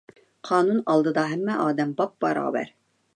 قانۇن ئالدىدا ھەممە ئادەم باپباراۋەر.